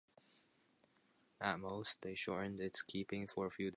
At most, they shortened its keeping for a few days.